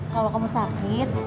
kalau kamu sakit